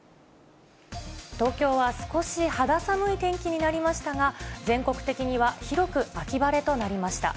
東京は少し肌寒い天気になりましたが、全国的には広く秋晴れとなりました。